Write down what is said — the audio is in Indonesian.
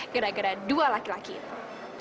gara gara dua laki laki itu